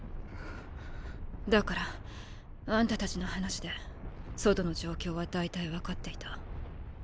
だからあんたたちの話で外の状況は大体わかっていた。